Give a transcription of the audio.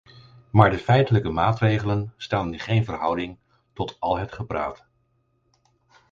Maar de feitelijke maatregelen staan in geen verhouding tot al het gepraat.